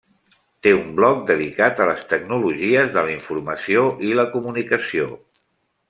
Té un blog dedicat a les tecnologies de la informació i la comunicació.